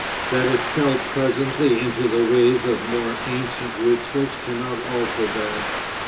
That it fell presently into the ways of more ancient rituals cannot alter that.